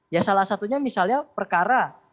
ya salah satunya misalnya perkara